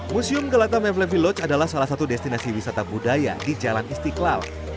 museum galata mevlevi lodge adalah salah satu destinasi wisata budaya di jalan istiklal